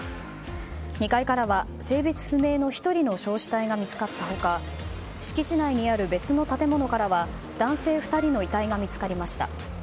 ２階からは性別不明の１人の焼死体が見つかった他敷地内にある別の建物からは男性２人の遺体が見つかりました。